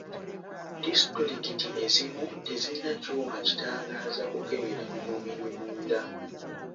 Disitulikiti ezimu tezirina kyuma kitangaaza kukebera mu mubiri munda.